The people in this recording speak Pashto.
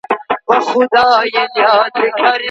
کليوالي ژوند له ښاري ژوند څخه ولي صحي دی؟